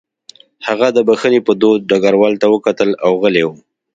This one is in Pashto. هغه د بښنې په دود ډګروال ته وکتل او غلی و